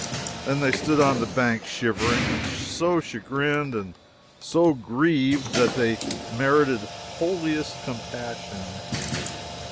Then they stood on the bank shivering, and so chagrined and so grieved, that they merited holiest compassion.